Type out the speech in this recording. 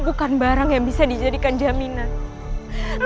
bukan barang yang bisa dijadikan jaminan